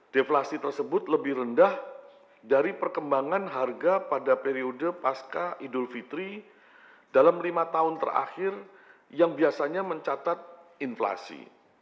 deflasi tersebut lebih rendah dari perkembangan harga pada periode pasca idul fitri dalam lima tahun terakhir yang biasanya mencatat inflasi